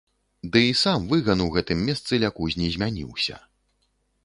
Ды і сам выган у гэтым месцы ля кузні змяніўся.